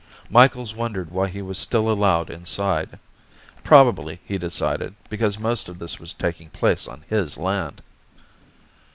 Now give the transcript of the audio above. Micheals wondered why he was still allowed inside. Probably, he decided, because most of this was taking place on his land.